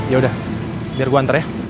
yaudah biar gue antar ya